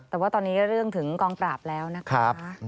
แต่ว่าตอนนี้เรื่องถึงกองปราบแล้วนะคะ